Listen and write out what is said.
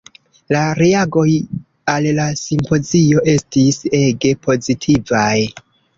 La reagoj al la simpozio estis ege pozitivaj.